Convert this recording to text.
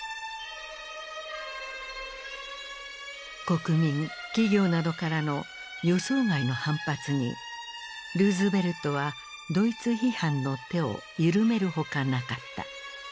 国民企業などからの予想外の反発にルーズベルトはドイツ批判の手を緩めるほかなかった。